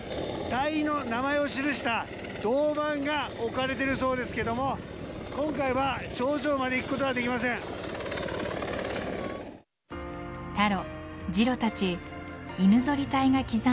隊員の名前を記した銅板が置かれているそうですけども今回は頂上まで行くことができません。